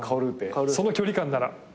その距離感なら。